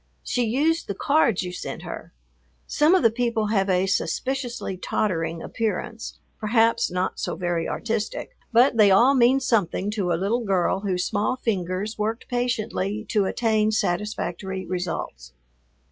She used the cards you sent her. Some of the people have a suspiciously tottering appearance, perhaps not so very artistic, but they all mean something to a little girl whose small fingers worked patiently to attain satisfactory results.